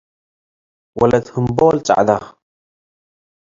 ወለት ህምቦል ጸዕደ፣